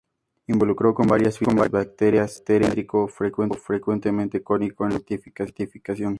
Involucro con varias filas de brácteas, cilíndrico, frecuentemente cónico en la fructificación.